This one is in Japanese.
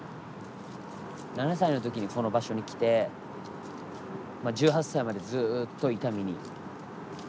７歳の時にこの場所に来て１８歳までずっと伊丹にいたけど